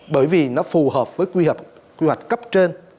bởi vì nó phù hợp với quy hoạch cấp trên